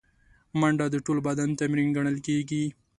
منډه د ټول بدن تمرین ګڼل کېږي